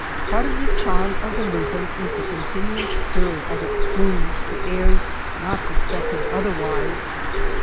Part of the charm of the lupine is the con tinual stir of its plumes to airs not sus pected otherwhere.